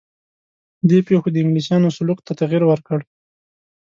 دې پېښو د انګلیسیانو سلوک ته تغییر ورکړ.